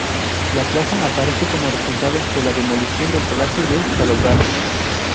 La plaza aparece como resultado de la demolición del Palacio de Salobral.